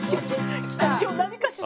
今日何かしら。